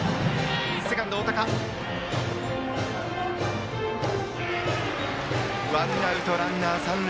セカンドの大高がつかんでワンアウトランナー、三塁。